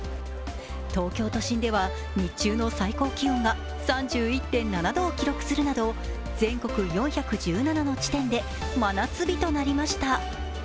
東京都心では日中の最高気温が３１．７度を記録するなど全国４１７の地点で真夏日となりました。